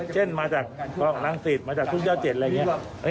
เช่นมาจากกองรังสิตมาจากทุ่งเจ้า๗อะไรอย่างนี้